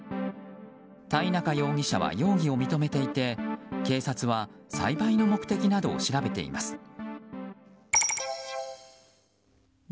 田井中容疑者は容疑を認めていて警察は栽培の目的などを調べています。